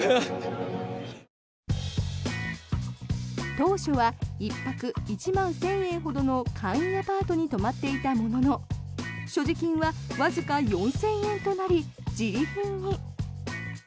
当初は１泊１万１０００円ほどの簡易アパートに泊まっていたものの所持金はわずか４０００円となりじり貧に。